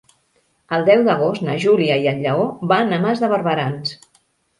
El deu d'agost na Júlia i en Lleó van a Mas de Barberans.